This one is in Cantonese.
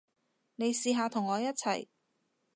你試下同我一齊